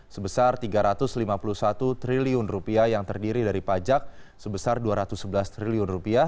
sebesar rp tiga ratus lima puluh satu triliun yang terdiri dari pajak sebesar rp dua ratus sebelas triliun